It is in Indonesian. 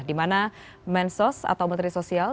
dimana mensos atau menteri sosial